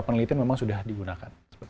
penelitian memang sudah digunakan